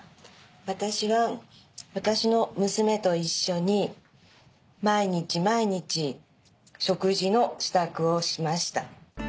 私は私の娘と一緒に毎日毎日食事の支度をしました。